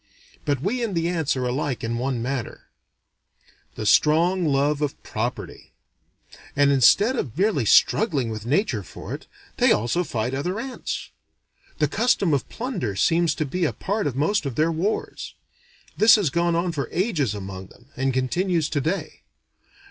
But we and the ants are alike in one matter: the strong love of property. And instead of merely struggling with Nature for it, they also fight other ants. The custom of plunder seems to be a part of most of their wars. This has gone on for ages among them, and continues today.